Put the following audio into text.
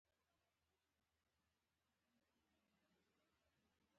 د فتوحاتو له ترلاسه کولو وروسته.